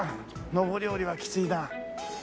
上り下りはきついな。